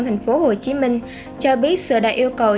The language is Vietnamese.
tp hcm cho biết sự đại yêu cầu